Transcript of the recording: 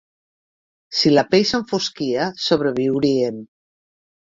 Si la pell s'enfosquia, sobreviurien.